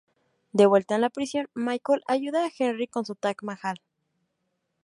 De vuelta en la prisión, Michael ayuda a Henry con su Taj Mahal.